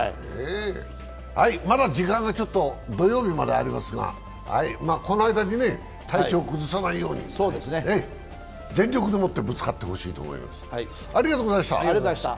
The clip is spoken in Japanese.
まだ時間が土曜日までありますが、この間に体調を崩さないように全力でもってぶつかってほしいと思います。